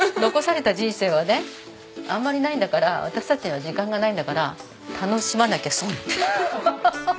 残された人生はねあんまりないんだから私たちの時間がないんだから楽しまなきゃ損ってハハハッ。